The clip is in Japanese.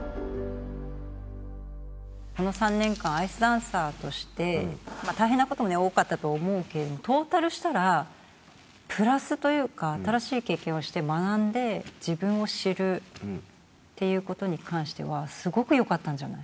この３年間アイスダンサーとして大変な事も多かったと思うけどトータルしたらプラスというか新しい経験をして学んで自分を知るっていう事に関してはすごくよかったんじゃない？